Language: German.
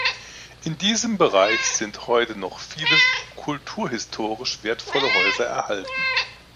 In diesem Bereich sind heute noch viele kulturhistorisch wertvolle Häuser erhalten.